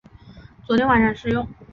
昨天晚上试用